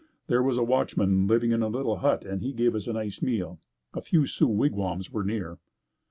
There was a watchman living in a little hut and he gave us a nice meal. A few Sioux wigwams were near.